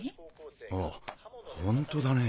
ああホントだね。